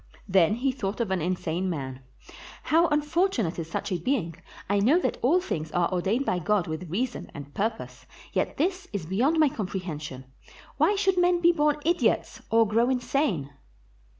Then he thought of an insane man: "How unfortu nate is such a being. I know that all things are ordained by God with reason and purpose, yet this is beyond my comprehension ; why should men be born idiots, or grow insane?"